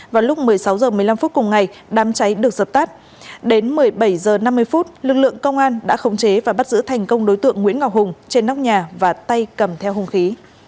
vào lúc một mươi sáu h một mươi năm cùng ngày đám cháy được dập tắt đến một mươi bảy h năm mươi phút lực lượng công an đã khống chế và bắt giữ thành công đối tượng nguyễn ngọc hùng trên nóc nhà và tay cầm theo hung khí